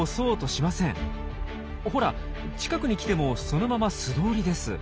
ほら近くに来てもそのまま素通りです。